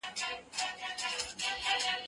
هغه څوک چي سفر کوي تجربه اخلي!؟